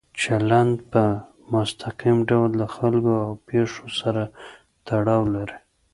چلند په مستقیم ډول د خلکو او پېښو سره تړاو لري.